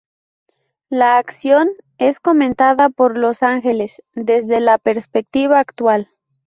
La acción es comentada por los 'Ángeles', desde la perspectiva actual.